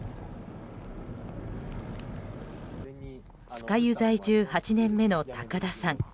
酸ヶ湯在住８年目の高田さん。